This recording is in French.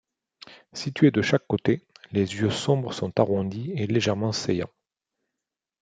Situés de chaque côté, les yeux sombres sont arrondis et légèrement saillants.